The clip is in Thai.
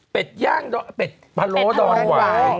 เบ็ดอย่างปัสโรวะด้อนไหว